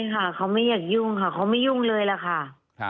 ใช่ค่ะเขาไม่อยากยุ่งค่ะเขาไม่ยุ่งเลยล่ะค่ะ